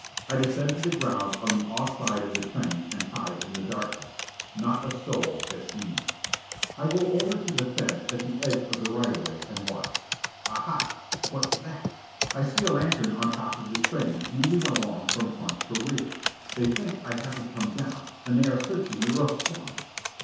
I descend to the ground on the off side of the train and hide in the darkness. Not a soul has seen me. I go over to the fence, at the edge of the right of way, and watch. Ah, ha! What's that? I see a lantern on top of the train, moving along from front to rear. They think I haven't come down, and they are searching the roofs for me.